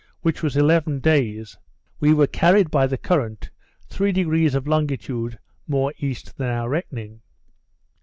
which was eleven days, we were carried by the current 3° of longitude more east than our reckoning.